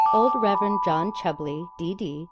Old Reverend John Chubley, D.D.